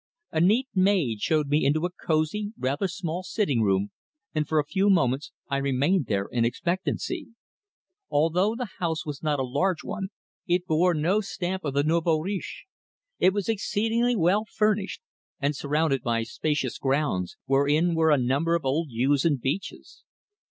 A neat maid showed me into a cosy, rather small sitting room, and for a few moments I remained there in expectancy. Although the house was not a large one it bore no stamp of the nouveau riche. It was exceedingly well furnished, and surrounded by spacious grounds, wherein were a number of old yews and beeches.